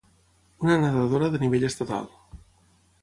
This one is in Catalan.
Una nedadora de nivell estatal.